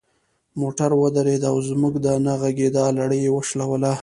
موټر ودرید او زموږ د نه غږیدا لړۍ یې وشلوله.